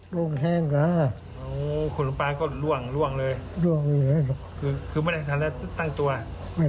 ต่อยใช่ไหมหลวงตาได้เถียงอะไรไหมหลวงตาได้เถียงอะไรไหม